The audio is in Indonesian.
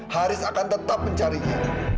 haris akan tetap mencarinya